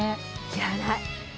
いらない。